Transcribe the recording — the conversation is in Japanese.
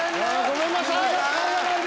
ごめんなさい。